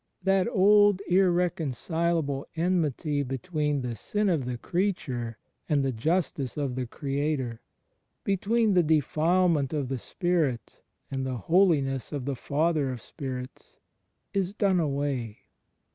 That old irrecon cilable enmity between the sin of the creature and the ZI 146 THE FRIENDSHIP OF CHRIST Justice of the Creator, between the defilement of the spirit and the Holiness of the Father of Spirits, is done away.